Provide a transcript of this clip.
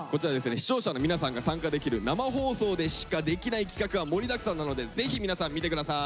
視聴者の皆さんが参加できる生放送でしかできない企画が盛りだくさんなのでぜひ皆さん見て下さい。